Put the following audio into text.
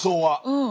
うん。